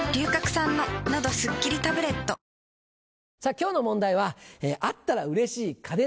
今日の問題は「あったらうれしい家電とは？」。